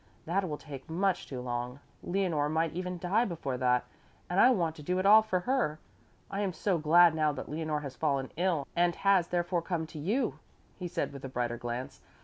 That will take much too long. Leonore might even die before that, and I want to do it all for her. I am so glad now that Leonore has fallen ill and has therefore come to you," he said with a brighter glance.